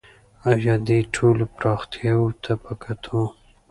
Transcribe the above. آیا دې ټولو پرمختیاوو ته په کتو